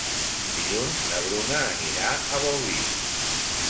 Dilluns na Bruna anirà a Bolvir.